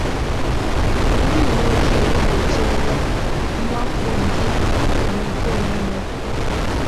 Ndị Uweojii Egbochiela Mwakpo Ndị Omekoome n'Ukpo